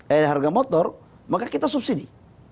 ada harga motor maka kita subsidi